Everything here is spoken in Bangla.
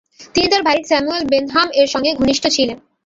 তিনি তার ভাই স্যামুয়েল বেন্থাম এর সঙ্গে ঘনিষ্ঠ ছিলেন।